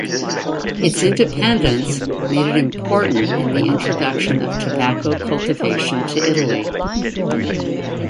Its independence made it important in the introduction of tobacco cultivation to Italy.